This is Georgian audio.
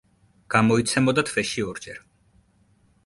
გამოიცემოდა თვეში ორჯერ.